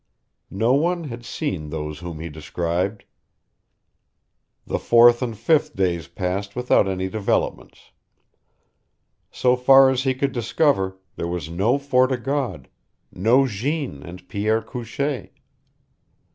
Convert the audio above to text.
No one had seen those whom he described. The fourth and fifth days passed without any developments. So far as he could discover there was no Fort o' God, no Jeanne and Pierre Couchee.